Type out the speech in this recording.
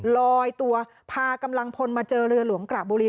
ลอยตัวพากำลังพลมาเจอเรือหลวงกระบุรี